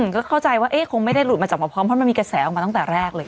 ก็เข้าใจว่าคงไม่ได้หลุดมาจากหมอพร้อมเพราะมันมีกระแสออกมาตั้งแต่แรกเลย